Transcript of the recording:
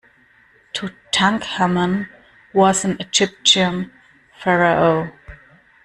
Tutankhamen was an Egyptian pharaoh.